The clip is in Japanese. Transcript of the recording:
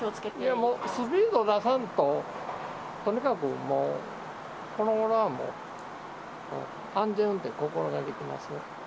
いやもう、スピード出さんと、とにかくもう、このごろはもう、安全運転心がけてますよ。